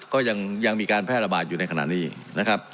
ก็ยังมีการแพร่ระบาดอยู่ในขณะนี้นะครับ